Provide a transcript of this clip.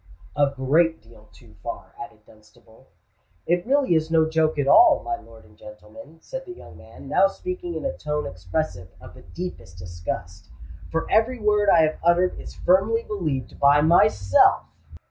"A great deal too far," added Dunstable. "It really is no joke at all, my lord and gentlemen," said the young man, now speaking in a tone expressive of the deepest disgust: "for every word I have uttered is firmly believed by myself!"